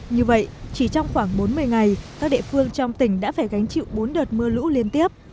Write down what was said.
như vậy chỉ trong khoảng bốn mươi ngày các địa phương trong tỉnh đã phải gánh chịu bốn đợt mưa lũ liên tiếp